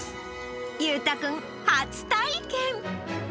裕太君、初体験。